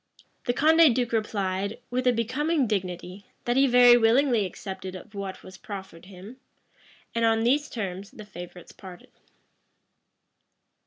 The Condé duke replied, with a becoming dignity, that he very willingly accepted of what was proffered him: and on these terms the favorites parted.